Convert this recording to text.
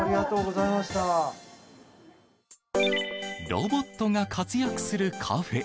ロボットが活躍するカフェ。